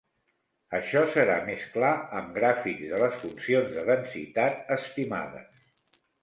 Això serà més clar amb gràfics de les funcions de densitat estimades.